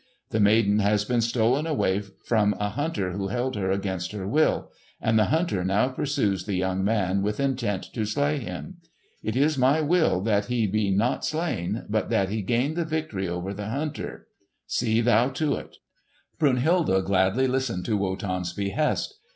The maiden has been stolen away from a hunter who held her against her will, and the hunter now pursues the young man with intent to slay him. It is my will that he be not slain, but that he gain the victory over the hunter. See thou to it!" Brunhilde gladly listened to Wotan's behest.